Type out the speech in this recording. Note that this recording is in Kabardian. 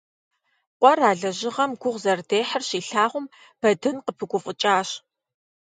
Къуэр, а лэжьыгъэм гугъу зэрыдехьыр щилъагъум, Бэдын къыпыгуфӀыкӀащ.